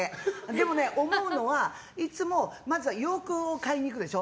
でもね思うのはいつも洋服を買いに行くでしょ。